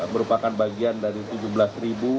merupakan bagian dari tujuh belas ribu